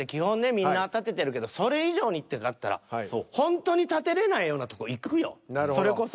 みんな建ててるけどそれ以上にってなったらほんとに建てれないようなとこ行くよそれこそ。